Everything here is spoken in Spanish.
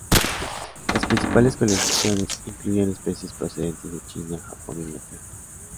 Las principales colecciones incluyen especies procedentes de China, Japón, e Inglaterra.